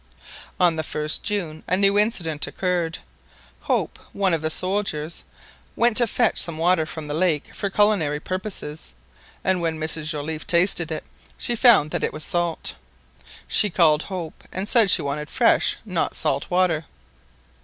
On the 1st June a new incident occurred. Hope, one of the soldiers, went to fetch some water from the lake for culinary purposes, and when Mrs Joliffe tasted it, she found that it was salt. She called Hope, and said she wanted fresh, not salt water.